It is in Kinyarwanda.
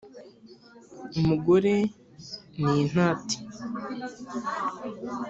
umugore ni intati